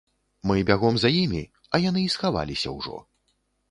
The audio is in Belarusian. Мы бягом за імі, а яны і схаваліся ўжо.